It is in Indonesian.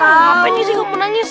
kenapa ini sih aku nangis